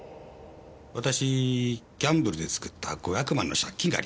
私ギャンブルで作った５００万の借金がありましてね